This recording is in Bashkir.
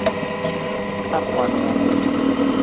-Тапманылар.